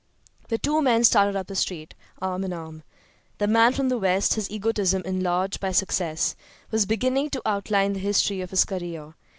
The two men started up the street, arm in arm. The man from the West, his egotism enlarged by success, was beginning to outline the history of his career.